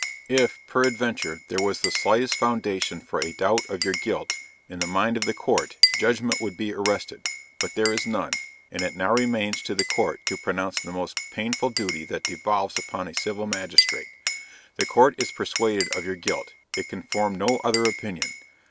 If, peradventure, there was the slightest foundation for a doubt of your guilt, in the mind of the Court, judgment would be arrested, but there is none; and it now remains to the Court to pronounce the most painful duty that devolves upon a civil magistrate. The Court is persuaded of your guilt; it can form no other opinion.